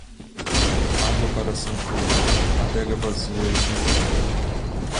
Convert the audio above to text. Água para San Juan, adega vazia e muita fome.